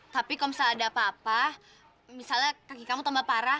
tapi kalau misalnya ada apa apa misalnya kaki kamu tambah parah